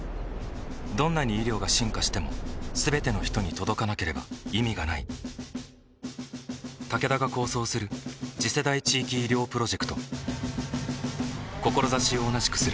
どんなに医療が進化しても全ての人に届かなければ意味がないタケダが構想する次世代地域医療プロジェクト志を同じくするあらゆるパートナーと手を組んで実用化に挑む